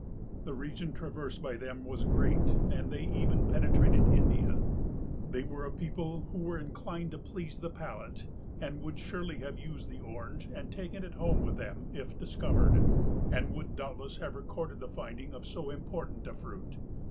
The region traversed by them was great and they even penetrated India. They were a people who were inclined to please the palate and would surely have used the Orange and taken it home with them if discovered and would doubtless have recorded the finding of so important a fruit.